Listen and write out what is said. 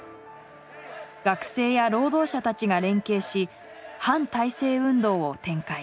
学生や労働者たちが連携し反体制運動を展開。